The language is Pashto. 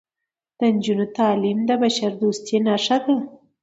د نجونو تعلیم د بشردوستۍ نښه ده.